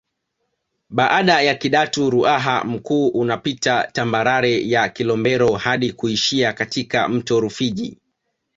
Baada ya Kidatu Ruaha Mkuu unapita tambarare ya Kilombero hadi kuishia katika mto Rufiji